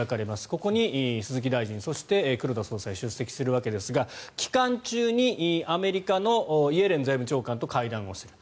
ここに鈴木大臣そして黒田総裁が出席するわけですが期間中にアメリカのイエレン財務長官と会談をする。